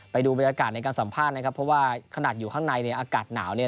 ไปดูบรรยากาศในการสัมภาษณ์นะครับเพราะว่าขนาดอยู่ข้างในเนี่ยอากาศหนาวเนี่ย